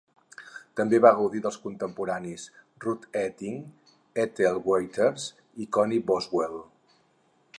També va gaudir dels contemporanis, Ruth Etting, Ethel Waters, i Connee Boswell.